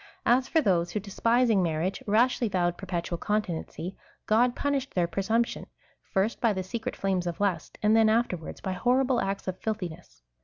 ^ As for those who, despising marriage, rashly vowed perpetual continency, God pun ished their presumption, first, by the secret flames of lust f and then afterwards, by horrible acts of filthiness.